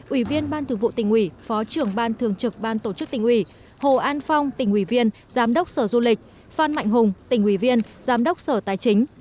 ủy viên ban thường vụ tỉnh ủy phó trưởng ban thường trực ban tổ chức tỉnh ủy hồ an phong tỉnh ủy viên giám đốc sở du lịch phan mạnh hùng tỉnh ủy viên giám đốc sở tài chính